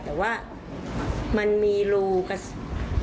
แต่ว่ามันมีรูกระสุน